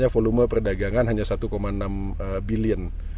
volume perdagangan hanya satu enam bilion